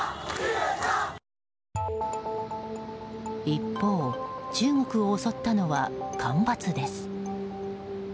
一方、中国を襲ったのは干ばつです。